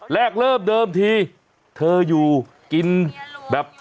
แรกเริ่มเดิมทีเธออยู่กินแบบ